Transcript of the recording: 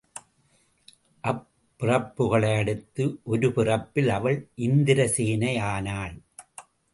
அப் பிறப்புகளை அடுத்து ஒருபிறப்பில் அவள் இந்திரசேனை ஆனாள்.